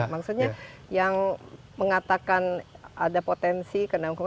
maksudnya yang mengatakan ada potensi kenang kenang